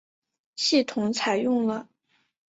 系统采用了。